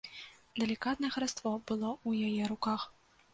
Далікатнае хараство было ў яе руках.